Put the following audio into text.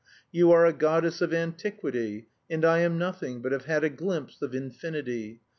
You are a goddess of antiquity, and I am nothing, but have had a glimpse of infinity.